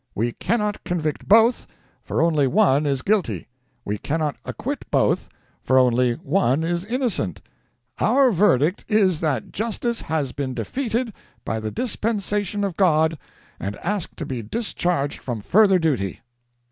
We cannot convict both, for only one is guilty. We cannot acquit both, for only one is innocent. Our verdict is that justice has been defeated by the dispensation of God, and ask to be discharged from further duty."